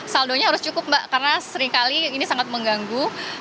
saldonya harus cukup mbak karena seringkali ini sangat mengganggu